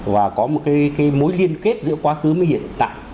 và có một mối liên kết giữa quá khứ với hiện tại